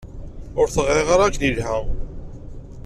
Ur t-ɣṛiɣ ara akken ilha.